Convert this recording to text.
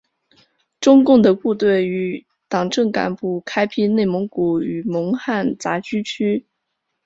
中共的部队与党政干部开辟内蒙古与蒙汉杂居区。